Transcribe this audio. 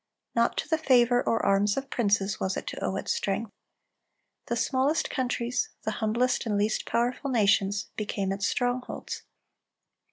Not to the favor or arms of princes was it to owe its strength. The smallest countries, the humblest and least powerful nations, became its strongholds.